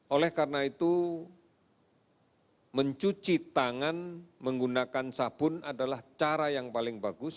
oleh karena itu mencuci tangan menggunakan sabun adalah cara yang paling bagus